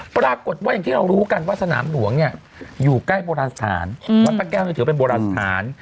ปรากฏว่าอย่างที่เรารู้กันว่าสนามหลวงเนี่ยอยู่ใกล้โบราณสถานวัดพระแก้วนี่ถือเป็นโบราณสถาน